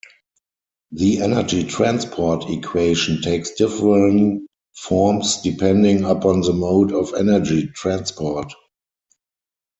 The energy transport equation takes differing forms depending upon the mode of energy transport.